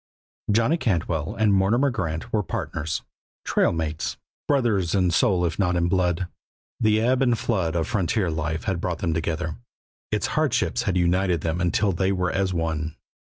Johnny Cantwell and Mortimer Grant were partners, trail mates, brothers in soul if not in blood. The ebb and flood of frontier life had brought them together, its hardships had united them until they were as one.